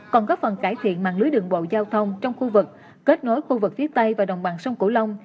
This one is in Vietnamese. còn góp phần cải thiện mạng lưới đường bộ giao thông trong khu vực kết nối khu vực phía tây và đồng bằng sông cửu long